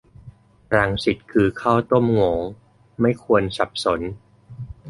รังสิตคือข้าวต้มโหงว ไม่ควรสับสน